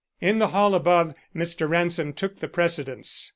In the hall above Mr. Ransom took the precedence.